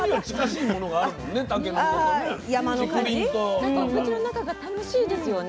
なんかお口の中が楽しいですよね。